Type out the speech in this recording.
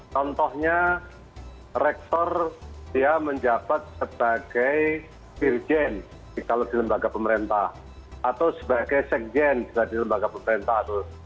contohnya rektor dia menjabat sebagai dirjen kalau di lembaga pemerintah atau sebagai sekjen juga di lembaga pemerintah